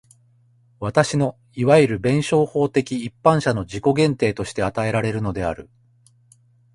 私のいわゆる弁証法的一般者の自己限定として与えられるのである。